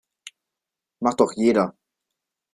Macht doch jeder.